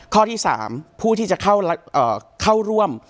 ข้อที่๓ผู้ที่จะเข้าร่วม